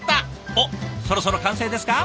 おっそろそろ完成ですか？